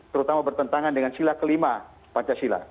terutama bertentangan dengan sila kelima pancasila